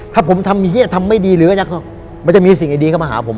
ถ้าผมทำเฮียทำไม่ดีหรือมันจะมีสิ่งดีเข้ามาหาผม